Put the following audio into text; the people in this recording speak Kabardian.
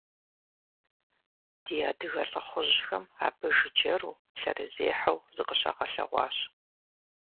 Ди адыгэ лӏыхъужьхэм абы жыджэру, лъэрызехьэу зыкъыщагъэлъэгъуащ.